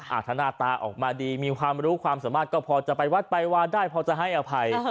ถ้าหน้าตาออกมาดีมีความรู้ความสามารถก็พอจะไปวัดไปวาได้พอจะให้อภัย